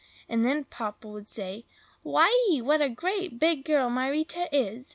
And then Papa would say, "Why ee! what a great, big girl my Rita is!